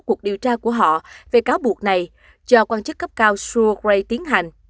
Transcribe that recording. cuộc điều tra của họ về cáo buộc này do quan chức cấp cao stuart ray tiến hành